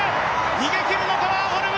逃げきるのか、ワーホルム。